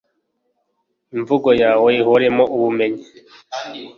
imvugo yawe ihoremo ubumenyi